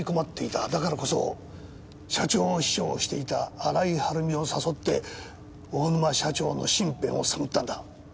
だからこそ社長秘書をしていた新井はるみを誘って大沼社長の身辺を探ったんだ。